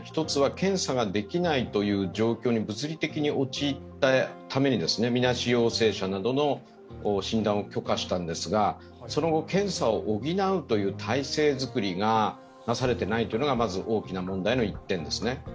１つは検査ができないという状況に物理的に陥ったためにみなし陽性者などの診断を許可したんですがその後、検査を補うという体制作りがなされていないというのがまず大きな問題の一点ですね。